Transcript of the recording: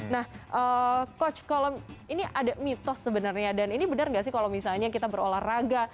nah coach ini ada mitos sebenarnya dan ini benar nggak sih kalau misalnya kita berolahraga